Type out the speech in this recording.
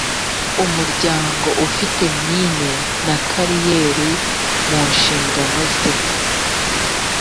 umuryango ufite mine na kariyeri mu nshingano ze